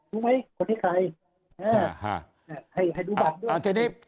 รู้ไหมคนนี้ใครให้ดูบันด้วย